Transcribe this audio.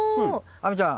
亜美ちゃん。